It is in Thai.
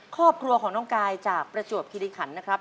ครอบครัวของน้องกายจากประจวบคิริขันนะครับ